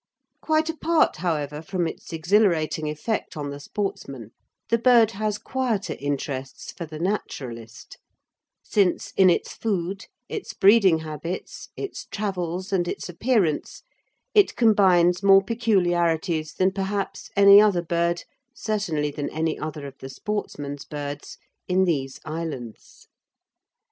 Quite apart, however, from its exhilarating effect on the sportsman, the bird has quieter interests for the naturalist, since in its food, its breeding habits, its travels, and its appearance it combines more peculiarities than perhaps any other bird, certainly than any other of the sportsman's birds, in these islands.